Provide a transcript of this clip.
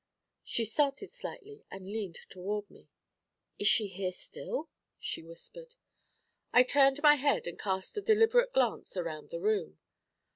'' She started slightly, and leaned toward me. 'Is she here still?' she whispered. I turned my head and cast a deliberate glance around the room.